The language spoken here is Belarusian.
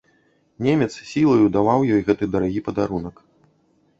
Немец сілаю даваў ёй гэты дарагі падарунак.